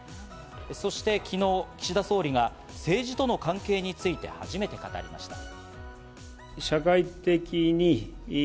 そして昨日、岸田総理が政治との関係について初めて語りました。